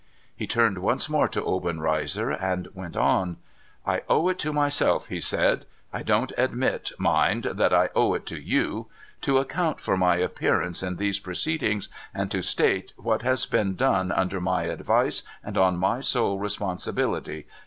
He turned once more to Obenreizer, and went on. ' I owe it to myself,' he said —' I don't admit, mind, that I owe it to yoji — to account for my appearance in these proceedings, and to state what has been done under my advice, and on my sole responsibility.